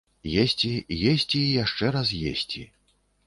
Есці, есці і яшчэ раз есці.